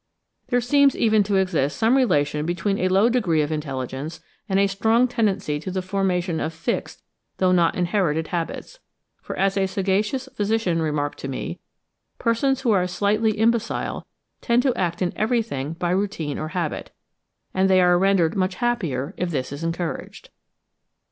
There seems even to exist some relation between a low degree of intelligence and a strong tendency to the formation of fixed, though not inherited habits; for as a sagacious physician remarked to me, persons who are slightly imbecile tend to act in everything by routine or habit; and they are rendered much happier if this is encouraged.